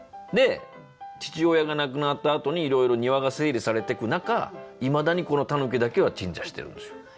父親が亡くなったあとにいろいろ庭が整理されてく中いまだにこのタヌキだけは鎮座してるんですよ。